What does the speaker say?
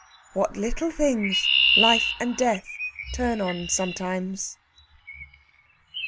What little things life and death turn on sometimes!